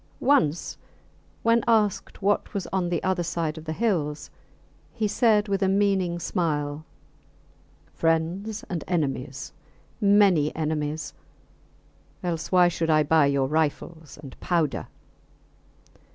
Once when asked what was on the other side of the hills, he said, with a meaning smile, Friends and enemies many enemies; else why should I buy your rifles and powder?